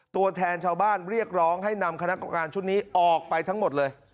ตัวแทนชาวบ้านเรียกร้องให้นำคณะกรรมการชุดนี้ออกไปทั้งหมดเลย